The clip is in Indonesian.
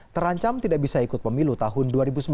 terancam tidak bisa ikut pemilu tahun dua ribu sembilan belas